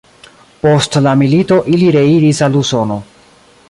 Post la milito ili reiris al Usono.